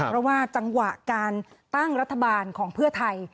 เพราะว่าจังหวะการตั้งรัฐบาลของเพื่อไทย